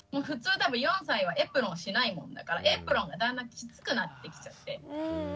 普通多分４歳はエプロンしないもんだからエプロンがだんだんきつくなってきちゃって。